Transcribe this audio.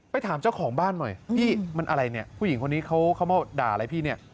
ถามเจ้าของบ้านหน่อยพี่มันอะไรเนี่ยผู้หญิงคนนี้เขามาด่าอะไรพี่เนี่ย